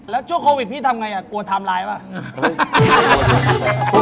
แล้วช่วงโควิดพี่ทำไงกลัวไทม์ไลน์ป่ะ